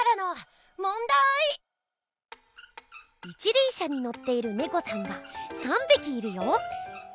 一りん車にのっているネコさんが３びきいるよ。